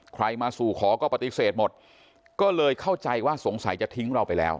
ใครมาสู่ขอก็ปฏิเสธหมดก็เลยเข้าใจว่าสงสัยจะทิ้งเราไปแล้ว